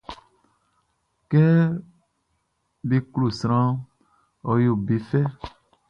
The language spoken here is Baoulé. Kɛ be klo sranʼn, ɔ yo be fɛ.